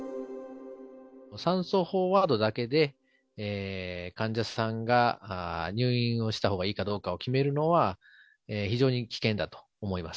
酸素飽和度だけで患者さんが入院をしたほうがいいかを決めるのは非常に危険だと思います。